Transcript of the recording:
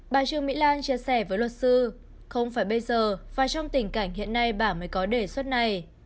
bà trương mỹ lan chia sẻ với luật sư không phải bây giờ và trong tình cảnh hiện nay bà mới có đề xuất này